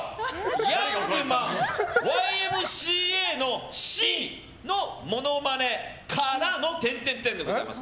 ヤングマンＹＭＣＡのＣのモノマネからのでございます。